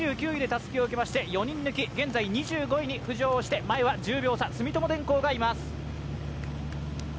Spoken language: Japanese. ２９位でたすきを受けまして４人抜き、現在２５位に浮上して、前は１０秒差、住友電工がいます。